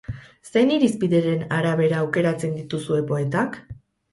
Zein irizpideren arabera aukeratzen dituzue poetak?